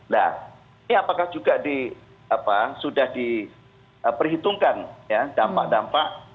nah ini apakah juga sudah diperhitungkan ya dampak dampak